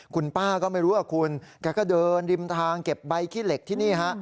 คุณป้าก็ไม่รู้อ่ะคุณแกก็เดินริมทางเก็บใบขี้เหล็กที่นี่ฮะ